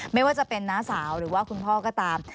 ไม่ว่าจะเป็นน้าสาวหรือว่าคุณพ่อก็ตาม